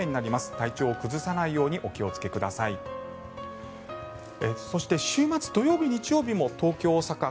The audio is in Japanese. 体調を崩さないようにお気をつけください。